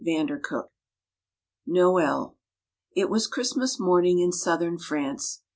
CHAPTER XX Noel It was Christmas morning in southern France.